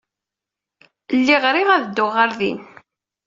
Lliɣ riɣ ad dduɣ ɣer din.